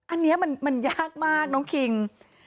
อันนี้มันยากมากน้องคิง